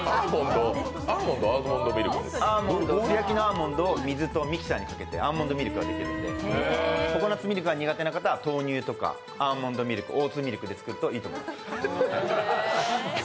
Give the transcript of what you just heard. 素焼きのアーモンドを水とミキサーにかけるとアーモンドミルクができるので、ココナッツミルクが苦手な方はアーモンドミルクとかオーツミルクで作ると、いいと思います。